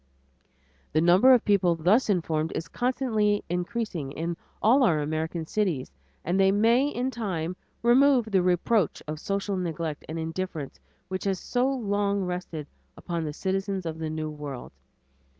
The number of people thus informed is constantly increasing in all our American cities, and they may in time remove the reproach of social neglect and indifference which has so long rested upon the citizens of the new world.